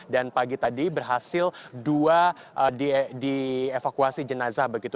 pagi tadi berhasil dua dievakuasi jenazah begitu